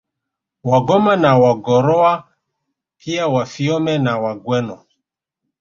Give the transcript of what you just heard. Wagoma na Wagorowa pia Wafiome na Wagweno